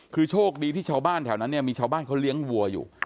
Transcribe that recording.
คือโชคดีที่ชาวบ้านแถวนั้นเนี่ยมีชาวบ้านเขาเลี้ยงวัวอยู่